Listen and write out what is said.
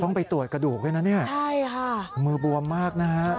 ต้องไปตรวจกระดูกด้วยนะเนี่ยมือบวมมากนะครับใช่ค่ะ